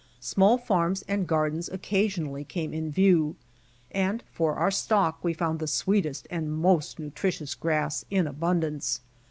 Small farms and gardens occasionally came in view, and for our stock we found the sweetest and most nutritious grass in abundance.